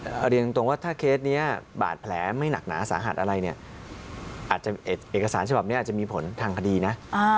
เอาเรียนตรงว่าถ้าเคสนี้บาดแผลไม่หนักหนาสาหัสอะไรเนี่ยอาจจะเอกสารฉบับนี้อาจจะมีผลทางคดีนะ